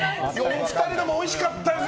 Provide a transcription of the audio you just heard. お二人ともおいしかったです